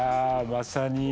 まさに。